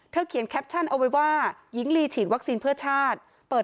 เขียนแคปชั่นเอาไว้ว่าหญิงลีฉีดวัคซีนเพื่อชาติเปิด